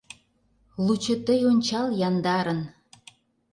Лучо тый ончал яндарын